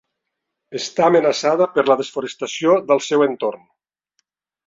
Està amenaçada per la desforestació del seu entorn.